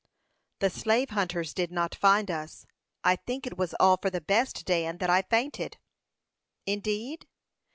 "The slave hunters did not find us. I think it was all for the best, Dan, that I fainted." "Indeed?"